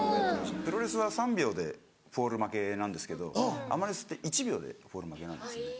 プロレスは３秒でフォール負けなんですけどアマレスって１秒でフォール負けなんですね。